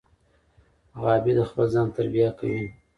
غابي د خپل ځان تربیه کوي.